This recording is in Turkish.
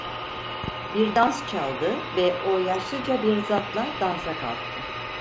Bir dans çaldı ve o yaşlıca bir zatla dansa kalktı.